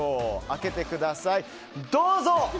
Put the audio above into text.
開けてください、どうぞ！